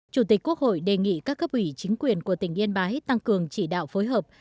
chủ tịch quốc hội đề nghị các cấp ủy chính quyền của tỉnh yên bái tăng cường chỉ đạo phối hợp